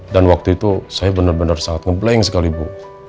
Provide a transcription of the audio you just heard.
dan waktu itu saya benar benar sangat ngebleng sekali bu